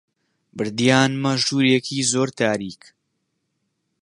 بردیانمە ژوورێکی زۆر تاریک